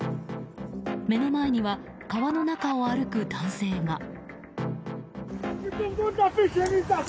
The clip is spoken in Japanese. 目の前には、川の中を歩く男性が。